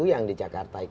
yang di jakarta